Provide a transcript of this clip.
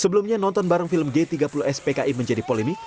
sebelumnya nonton bareng film g tiga puluh spki menjadi polemik